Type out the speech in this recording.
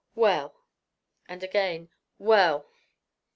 Well!" And again, "Well!"